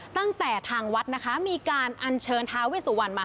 ตั้งแต่ทางวัดนะคะมีการอัญเชิญท้าเวสุวรรณมา